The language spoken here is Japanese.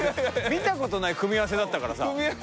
見たことない組み合わせだったからさ。